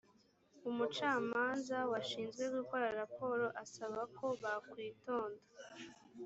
umucamanza washinzwe gukora raporo asaba ko bakwitonda